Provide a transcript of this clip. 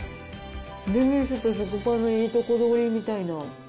デニッシュと食パンのいいとこ取りみたいな。